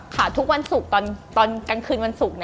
ค่ะทุกวันสุกตอนกลางคืนวันสุก